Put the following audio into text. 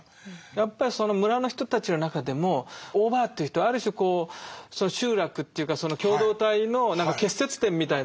やっぱりその村の人たちの中でもオーバーという人はある種こう集落というか共同体の結節点みたいなね中心。